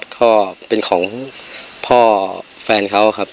ก็เป็นของพ่อแฟนเขาครับ